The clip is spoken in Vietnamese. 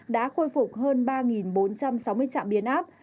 đã khôi phục hơn ba bốn trăm sáu mươi trạm biến áp